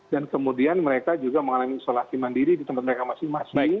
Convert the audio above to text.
dan kemudian mereka juga mengalami isolasi mandiri di tempat mereka masing masing